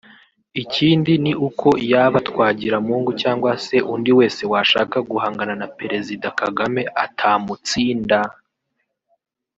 Ikindi ni uko yaba Twagiramungu cyangwa se undi wese washaka guhangana na Perezida Kagame atamutsinda